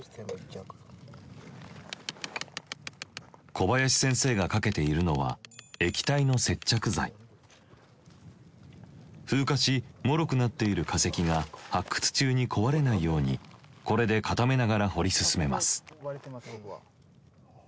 小林先生がかけているのは風化しもろくなっている化石が発掘中に壊れないようにこれで固めながら掘り進めます。